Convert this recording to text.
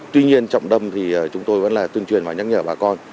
tuy nhiên trọng tâm thì chúng tôi vẫn là tuyên truyền và nhắc nhở bà con